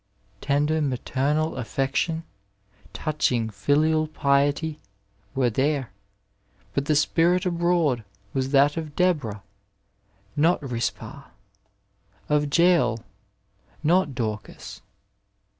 Tender maternal afiection, « touching filial piety were there; but the spirit abroad was that of Deborah not Rizpah, of Jael not Dorcas.